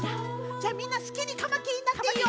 じゃあみんなすきにカマキリになっていいよ。